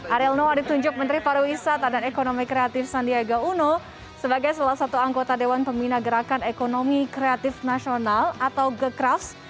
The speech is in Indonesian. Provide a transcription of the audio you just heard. ariel noah ditunjuk menteri pariwisata dan ekonomi kreatif sandiaga uno sebagai salah satu anggota dewan pembina gerakan ekonomi kreatif nasional atau gecraft